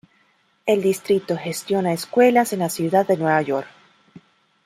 El distrito gestiona escuelas en la Ciudad de Nueva York.